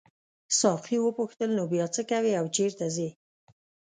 ساقي وپوښتل نو بیا څه کوې او چیرته ځې.